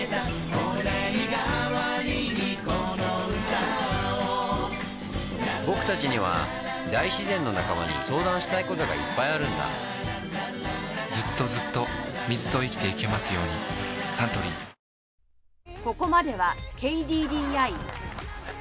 御礼がわりにこの歌をぼくたちには大自然の仲間に相談したいことがいっぱいあるんだずっとずっと水と生きてゆけますようにサントリーの！ど！